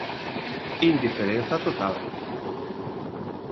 Indiferenza total.